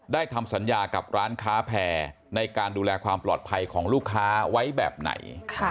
ทำสัญญากับร้านค้าแพร่ในการดูแลความปลอดภัยของลูกค้าไว้แบบไหน